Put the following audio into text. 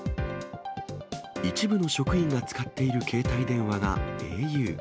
一部の職員が使っている携帯電話がａｕ。